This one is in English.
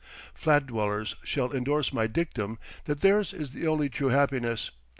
Flat dwellers shall indorse my dictum that theirs is the only true happiness.